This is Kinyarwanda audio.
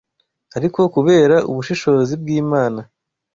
Ariko kubera ubushishozi bw’Imana